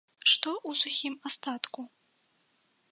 Што ў сухім астатку?